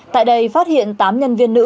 tại đây phát hiện tám nhân viên nữ